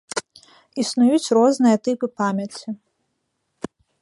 Існуюць розныя тыпы памяці.